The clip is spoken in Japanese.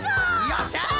よっしゃ！